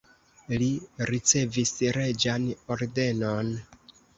Li ricevis reĝan ordenon.